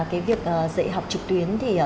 cái việc dạy học trực tuyến